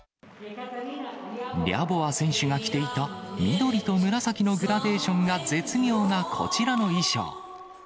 リャボワ選手が着ていた緑と紫のグラデーションが絶妙なこちらの衣装。